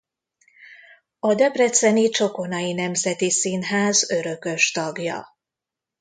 A debreceni Csokonai Nemzeti Színház örökös tagja.